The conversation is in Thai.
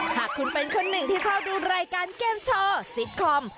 หากคุณเป็นคนหนึ่งที่เข้าดูรายการเกมโชว์ซิตคอม